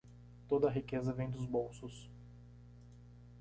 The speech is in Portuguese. Toda a riqueza vem dos bolsos.